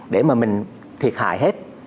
để mà mình thiệt hại hết